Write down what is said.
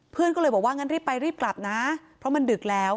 เพื่อนก็เลยบอกว่างั้นรีบไปรีบกลับนะเพราะมันดึกแล้ว